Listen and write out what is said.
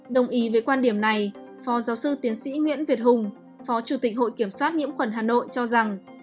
đồng ý với quan điểm này phó giáo sư tiến sĩ nguyễn việt hùng phó chủ tịch hội kiểm soát nhiễm khuẩn hà nội cho rằng